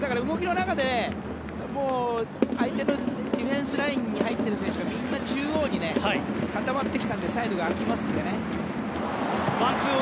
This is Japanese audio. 動きの中で相手のディフェンスラインに入っている選手がみんな中央に固まってきたのでサイドが空きますのでね。